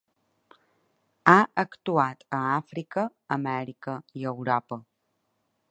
Ha actuat a Àfrica, Amèrica i Europa.